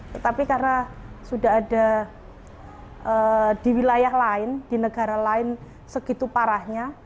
tetapi karena sudah ada di wilayah lain di negara lain segitu parahnya